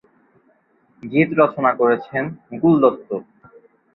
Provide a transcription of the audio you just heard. গীত রচনা করেছেন মুকুল দত্ত।